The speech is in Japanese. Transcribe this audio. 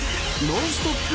ノンストップ！